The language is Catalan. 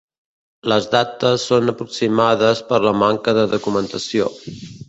Les dates són aproximades per la manca de documentació.